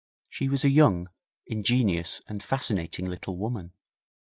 She was a young, ingenuous and fascinating little woman.